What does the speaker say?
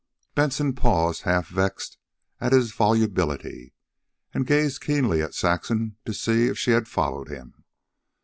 Benson paused, half vexed at his volubility, and gazed keenly at Saxon to see if she had followed him.